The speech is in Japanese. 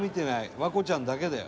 環子ちゃんだけだよ」